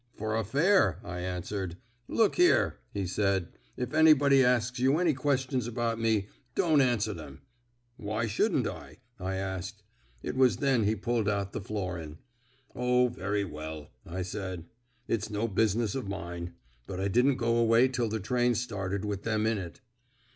'For a fare,' I answered. 'Look here,' he said, 'if anybody asks you any questions about me, don't answer them. 'Why shouldn't I?' I asked. It was then he pulled out the florin. 'O, very well,' I said; 'it's no business of mine.' But I didn't go away till the train started with them in it."